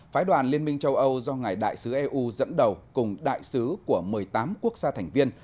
phái đoàn liên minh châu âu do ngài đại sứ eu dẫn đầu cùng đại sứ của một mươi tám quốc gia thành viên